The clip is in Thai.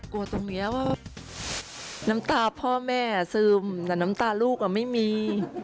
กลัวตรงเนี้ยว่าน้ำตาพ่อแม่อ่ะซื้มแต่น้ำตาลูกอ่ะไม่มี